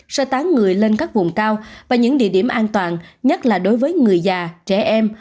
sơ tán người lên các vùng cao và những địa điểm an toàn nhất là đối với người già trẻ em